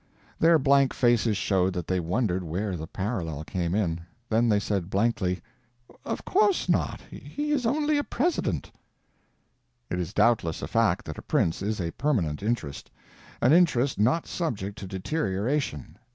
Their blank faces showed that they wondered where the parallel came in. Then they said, blankly: "Of course not. He is only a President." It is doubtless a fact that a prince is a permanent interest, an interest not subject to deterioration.